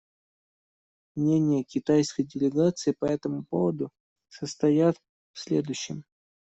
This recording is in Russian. Мнения китайской делегации по этому поводу состоят в следующем.